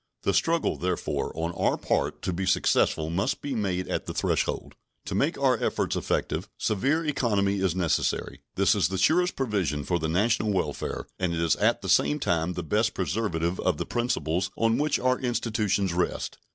The struggle, therefore, on our part to be successful must be made at the threshold. To make our efforts effective, severe economy is necessary. This is the surest provision for the national welfare, and it is at the same time the best preservative of the principles on which our institutions rest.